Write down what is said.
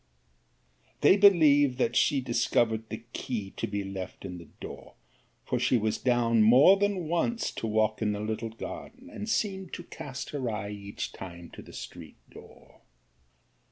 'They believe, that she discovered the key to be left in the door; for she was down more than once to walk in the little garden, and seemed to cast her eye each time to the street door.